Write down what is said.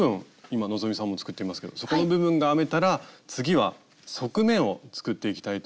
今希さんも作っていますけど底の部分が編めたら次は側面を作っていきたいと思います。